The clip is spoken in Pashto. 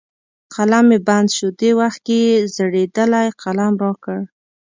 قلم مې بند شو، دې وخت کې یې زړېدلی قلم را کړ.